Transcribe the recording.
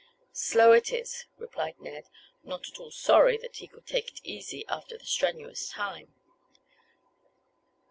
"Slow it is," replied Ned, not at all sorry that he could take it easy after the strenuous time.